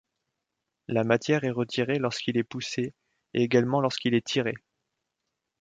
La matière est retirée lorsqu'il est poussé et également lorsqu'il est tiré.